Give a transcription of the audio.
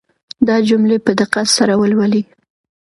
دا جملې په دقت سره ولولئ.